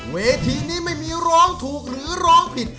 เวทีนี้ไม่มีร้องถูกหรือร้องผิด